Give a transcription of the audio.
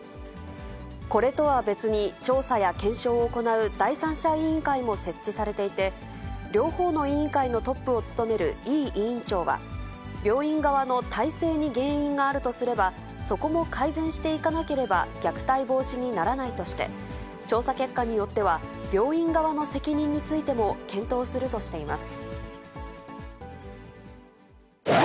これとは別に、調査や検証を行う第三者委員会も設置されていて、両方の委員会のトップを務める伊井委員長は、病院側の体制に原因があるとすれば、そこも改善していかなければ虐待防止にならないとして、調査結果によっては、病院側の責任についても検討するとしています。